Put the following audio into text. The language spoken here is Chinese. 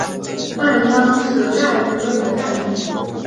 半鞅是概率论的概念。